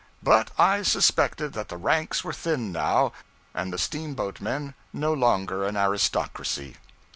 But I suspected that the ranks were thin now, and the steamboatmen no longer an aristocracy.